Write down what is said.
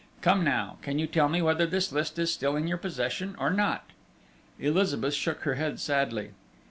Come now, can you tell me whether this list is still in your possession, or not?" Elizabeth shook her head sadly.